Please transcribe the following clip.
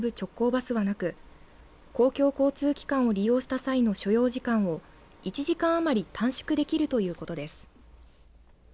バスはなく公共交通機関を利用した際の使用時間を１時間余り短縮できるということです。